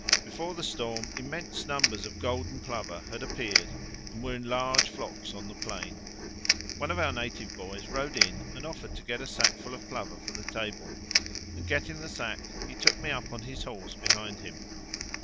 Before the storm immense numbers of golden plover had appeared and were in large flocks on the plain. One of our native boys rode in and offered to get a sackful of plover for the table, and getting the sack he took me up on his horse behind him.